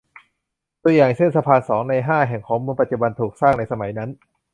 ตัวอย่างเช่น สะพานสองในห้าแห่งของเมืองปัจจุบันถูกสร้างในสมัยนั้น